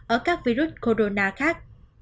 ở các virus corona khác